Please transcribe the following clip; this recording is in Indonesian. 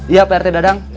iya pak rt dadang